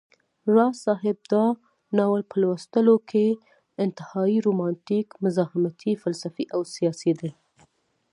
راز صاحب دا ناول په لوستلو کي انتهائى رومانتيک، مزاحمتى، فلسفى او سياسى دى